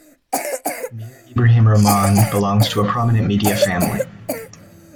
Mir Ibrahim Rahman belongs to a prominent media family.